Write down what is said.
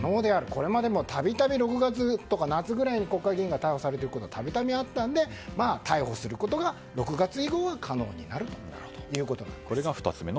これまでも度々６月とか夏ぐらいに国会議員が逮捕されていることがたくさんあったので逮捕することが６月以降は可能になるということです。